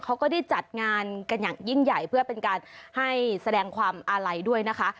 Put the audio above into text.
เขาก็ได้จัดงานกันอย่างยิ่งใหญ่เพื่อเป็นการให้แสดงความอาลัยด้วยนะคะ